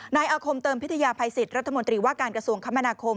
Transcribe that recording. นายอาคมเติมพิทยาภัยสิทธิ์รัฐมนตรีว่าการกระทรวงคมนาคม